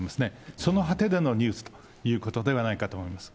その果てでのニュースということではないかと思います。